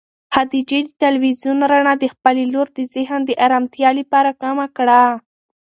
خدیجې د تلویزون رڼا د خپلې لور د ذهن د ارامتیا لپاره کمه کړه.